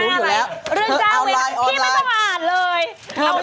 เรื่องราวเพียงพี่ไม่ต้องอ่านเลย